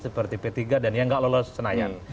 seperti p tiga dan yang nggak lolos senayan